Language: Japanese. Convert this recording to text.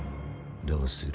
どうする？